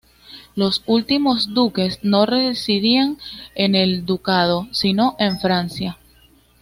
Los últimos duques no residían en el ducado, sino en Francia.